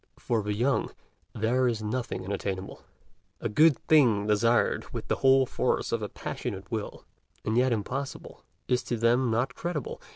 For the young, there is nothing unattainable; a good thing desired with the whole force of a passionate will, and yet impossible, is to them not credible.